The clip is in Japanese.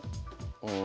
うん。